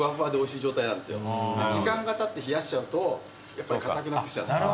時間がたって冷やしちゃうとやっぱり硬くなってきちゃうんです。